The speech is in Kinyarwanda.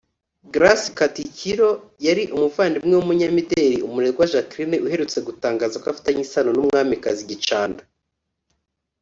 Grace Katikiro yari umuvandimwe w’umunyamideri Umurerwa Jacqueline uherutse gutangaza ko afitanye isano n’umwamikazi Gicanda